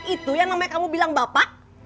itu yang namanya kamu bilang bapak